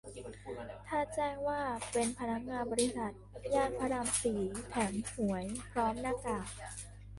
ถ้าแจ้งว่าเป็นพนักงานบริษัท ย่านพระรามสี่ แถมหวยพร้อมหน้ากาก